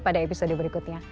pada episode berikutnya